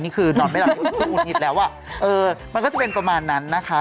นี่คือนอนไม่หลับให้คุณอุ่นหยิดแล้วมันก็จะเป็นประมาณนั้นนะคะ